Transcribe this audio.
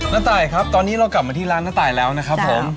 ตายครับตอนนี้เรากลับมาที่ร้านน้าตายแล้วนะครับผม